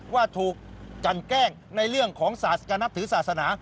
ว่าถูกกันแกล้งในเรื่องของศาสตร์การนับถือศาสนา